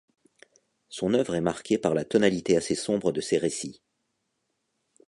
Son œuvre est marquée par la tonalité assez sombre de ses récits.